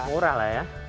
murah lah ya